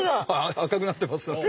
赤くなってます。